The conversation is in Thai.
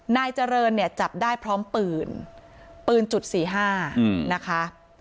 นายเจริญเนี่ยจับได้พร้อมปืนปืนจุดสี่ห้านะคะ